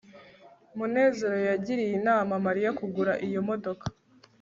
munezero yagiriye inama mariya kugura iyo modoka